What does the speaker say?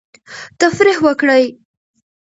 تفریح وکړئ.